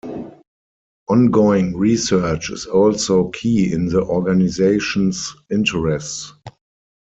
Ongoing research is also key in the organization's interests.